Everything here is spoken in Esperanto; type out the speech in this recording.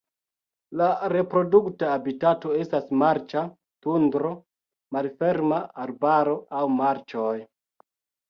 La reprodukta habitato estas marĉa tundro, malferma arbaro aŭ marĉoj.